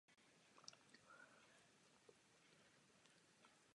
Postupně náležely k Římské říši a Byzantské říši.